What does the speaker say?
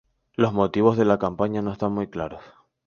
Los motivos de la campaña no están muy claros.